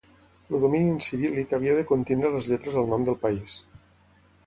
El domini en ciríl·lic havia de contenir les lletres del nom del país.